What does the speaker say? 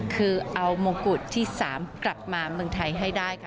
คือเอามงกุฎที่๓กลับมาเมืองไทยให้ได้ค่ะ